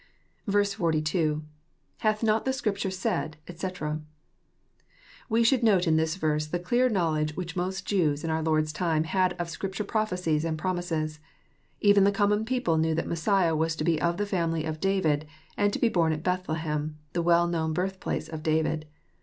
42. — [Hath not the Scripture said, etc, ] We should note in this verse the clear knowledge which most Jews in our Lord's time had of Scripture prophecies and promises. Even the common people knew that Messiah was to be of the family of David, and to be bom at Bethlehem, the well known birthplace of David.